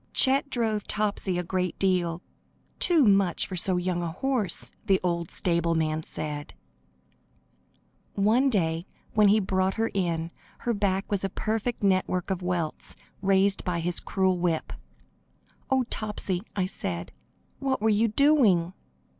Chet drove Topsy a great deal; "too much for so young a horse," the old stableman said. One day when he brought her in, her back was a perfect network of welts, raised by his cruel whip. "Oh, Topsy," I said, "what were you doing?"